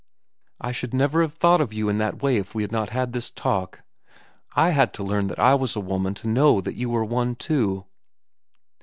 "I should never have thought of you in that way if we had not had this talk. I had to learn that I was a woman to know that you were one, too."